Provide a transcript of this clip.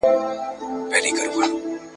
نن به ولي په تیارو کي ښخېدی د شمعي مړی `